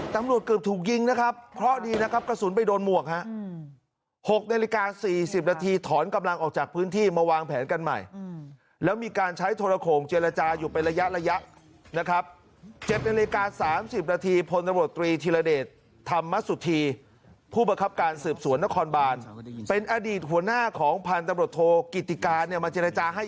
ตำรวจเกือบถูกยิงนะครับเพราะดีนะครับกระสุนไปโดนหมวกฮะ๖นาฬิกา๔๐นาทีถอนกำลังออกจากพื้นที่มาวางแผนกันใหม่แล้วมีการใช้โทรโขงเจรจาอยู่เป็นระยะระยะนะครับ๗นาฬิกา๓๐นาทีพลตำรวจตรีธิรเดชธรรมสุธีผู้ประคับการสืบสวนนครบานเป็นอดีตหัวหน้าของพันตำรวจโทกิติการเนี่ยมาเจรจาให้